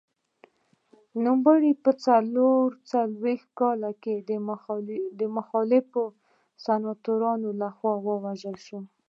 نوموړی په څلور څلوېښت کال کې د مخالفو سناتورانو لخوا ووژل شو.